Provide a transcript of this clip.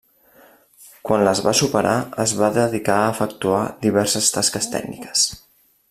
Quan les va superar, es va dedicar a efectuar diverses tasques tècniques.